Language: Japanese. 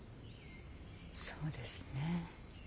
そうですね。